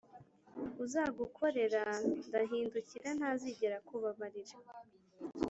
uzagukorera i! ndahindukira ntazigera akubabarira.